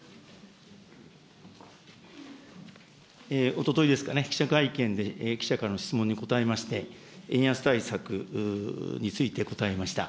おとといですかね、記者会見で記者からの質問に答えまして、円安対策について答えました。